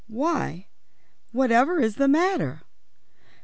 "Why, whatever is the matter?"